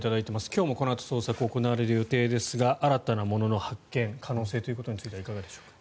今日もこのあと捜索が行われる予定ですが新たなものの発見可能性はいかがでしょうか。